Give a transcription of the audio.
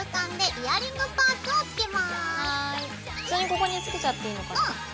普通にここにつけちゃっていいのかな？